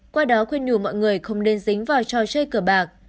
qua đó khuyên nhủ mọi người không nên dính vào trò chơi cờ bạc